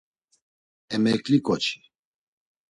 Emekli ǩoçi.